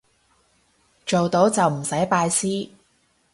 做到就唔使拜師